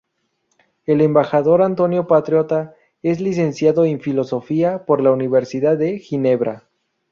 El Embajador Antonio Patriota es licenciado en Filosofía por la Universidad de Ginebra.